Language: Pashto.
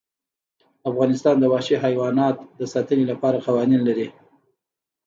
افغانستان د وحشي حیوانات د ساتنې لپاره قوانین لري.